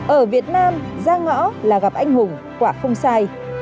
ở việt nam ra ngõ là gặp anh hùng quả không sai